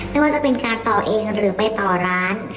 ไม่ว่าจะเป็นการต่อเองหรือไปต่อร้าน